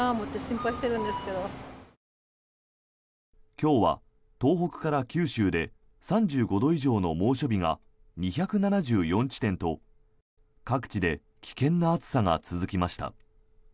今日は東北から九州で３５度以上の猛暑日が２７４地点と各地で危険な暑さが続きました。